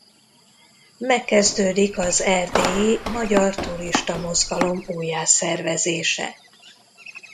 Megkezdődik az erdélyi magyar turista mozgalom újjászervezése.